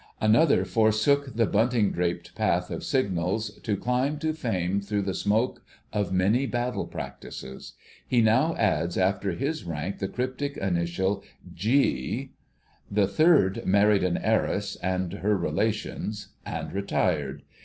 Another forsook the bunting draped path of Signals to climb to fame through the smoke of many battle practices. He now adds after his rank the cryptic initial (G). The third married an heiress and her relations, and retired.